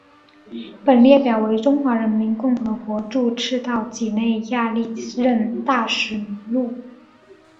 本列表为中华人民共和国驻赤道几内亚历任大使名录。